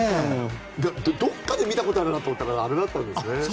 どこかで見たことあるなと思ったらあれだったんですね。